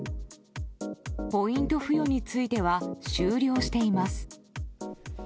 ポイント付与については終了しています。